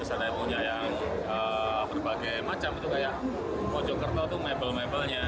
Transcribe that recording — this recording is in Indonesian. ada yang punya yang berbagai macam kayak pojok kerta itu mebel mebelnya